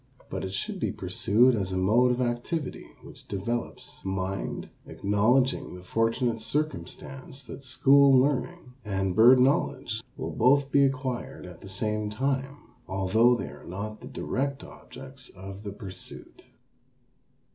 But it should be pursued as a mode of activity which develops mind, acknowledging the fortunate circumstance that school learning and bird knowledge will both be acquired at the same time, although they are not the direct objects of the pursuit.